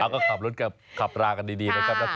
ก็คือไปถึงขาวนกเลย